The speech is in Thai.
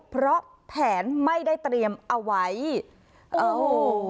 เพราะแผนไม่ได้เตรียมเอาไว้โอ้โห